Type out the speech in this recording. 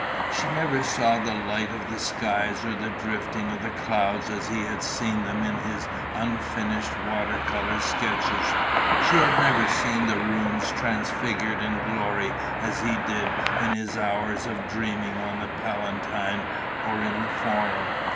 She never saw the light of the skies or the drifting of the clouds as he had seen them in his unfinished water colour sketches. She had never seen the ruins transfigured in glory as he did in his hours of dreaming on the Palatine or in the Forum.